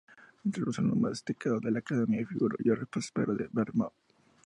Entre los alumnos más destacados de la academia figuró Jorge Próspero de Verboom.